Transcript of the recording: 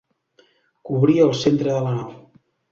Cobria el centre de la nau.